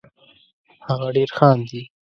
هغه ډېر خاندي